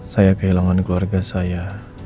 saya kehilangan keluarga saya